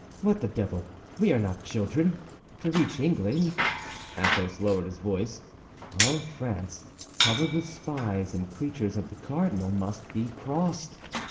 What the devil! we are not children. To reach England"—Athos lowered his voice—"all France, covered with spies and creatures of the cardinal, must be crossed.